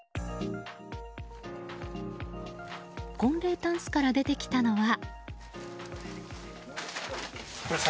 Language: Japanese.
婚礼たんすから出てきたのは。